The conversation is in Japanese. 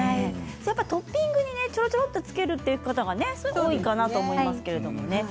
トッピングにちょっとつけるという方が多いかなと思いますけれども。